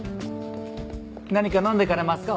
何か飲んで行かれますか？